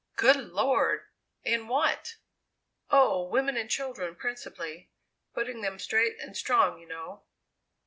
"Good Lord! In what?" "Oh, women and children, principally putting them straight and strong, you know."